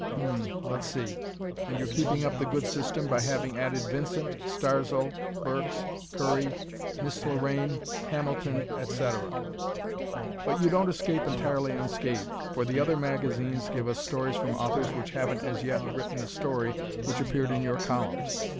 Hm m, let's see. And you're keeping up the good system by having added Vincent, Starzl, Burks, Curry, Miss Lorraine, Hamilton, etc. But you don't escape entirely unscathed, for the other magazines give us stories from authors which haven't as yet written a story which appeared in your columns.